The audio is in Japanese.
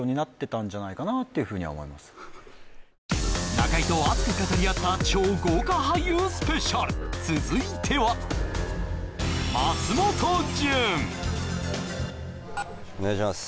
中居と熱く語り合った超豪華俳優スペシャル続いてはお願いします